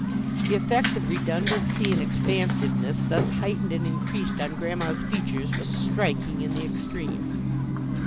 The effect of redundancy and expansiveness thus heightened and increased on Grandma's features was striking in the extreme.